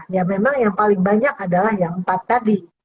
ya memang yang paling banyak adalah yang empat tadi